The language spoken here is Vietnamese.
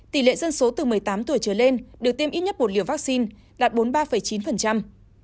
tỷ lệ dân số từ một mươi tám tuổi trở lên được tiêm ít nhất một liều vaccine đạt bốn mươi ba chín